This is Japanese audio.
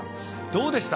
どうでした？